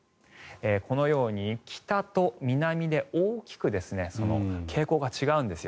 このように北と南で大きく傾向が違うんです。